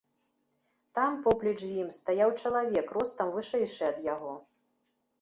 Там, поплеч з ім, стаяў чалавек, ростам вышэйшы ад яго.